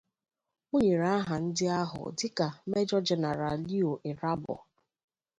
O nyere aha ndị ahụ dịka 'Major-General' Leo Irabor